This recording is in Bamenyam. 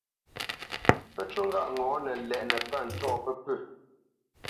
Pə́ ncú ŋgâʼ ŋɔ̌nə ndɛʼnə́ pə̂ ntɔ̂ pəpʉ̂.